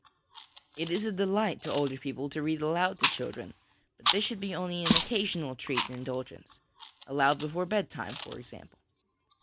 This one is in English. It is a delight to older people to read aloud to children, but this should be only an occasional treat and indulgence, allowed before bedtime, for example.